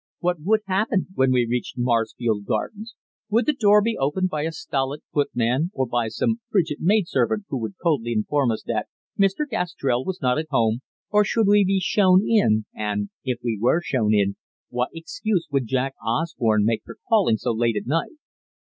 What would happen when we reached Maresfield Gardens? Would the door be opened by a stolid footman or by some frigid maidservant who would coldly inform us that "Mr. Gastrell was not at home"; or should we be shown in, and, if we were shown in, what excuse would Jack Osborne make for calling so late at night?